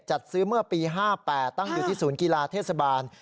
จัดซื้อเมื่อปี๕๘ตั้งอยู่ที่ศูนย์กีฬาเทศบาล